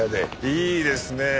いいですねえ。